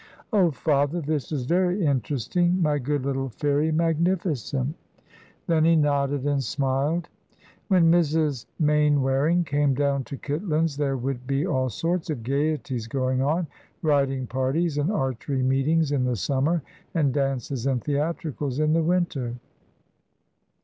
"Oh, father, this is very interesting. My good little Fairy Magnificent." Then he nodded and smiled. "When Mrs. Mainwaring came down to Kitlands there would be all sorts of gaieties going on riding parties and archery meetings in the summer, and dances and theatricals in the winter."